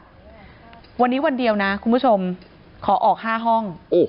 วันนี้วันเดียวนะคุณผู้ชมขอออก๕ห้อง